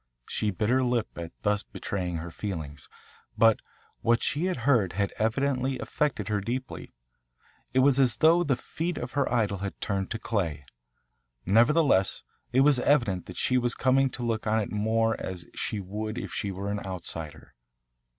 She bit her lip at thus betraying her feelings, but what she had heard had evidently affected her deeply. It was as though the feet of her idol had turned to clay. Nevertheless it was evident that she was coming to look on it more as she would if she were an outsider.